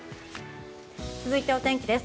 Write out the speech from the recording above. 続いてお天気です。